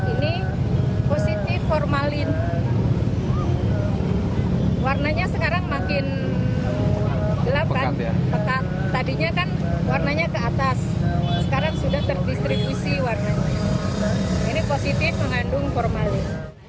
ini positif mengandung formalin